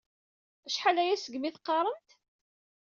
Acḥal aya seg asmi i teqqaṛemt?